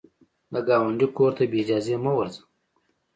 د ګاونډي کور ته بې اجازې مه ورځه